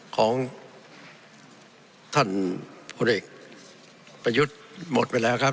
ของท่านพลเอกประยุทธ์หมดไปแล้วครับ